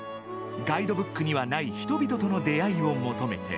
ガイドブックにはない人々との出会いを求めて。